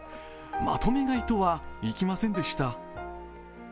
まとめ買いとはいきませんでした。